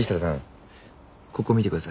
ここ見てください。